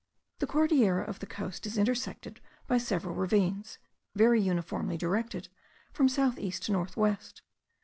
The Cordillera of the coast is intersected by several ravines, very uniformly directed from south east to north west.